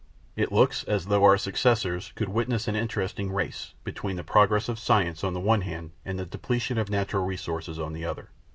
It looks as if our successors would witness an interesting race, between the progress of science on the one hand and the depletion of natural resources upon the other.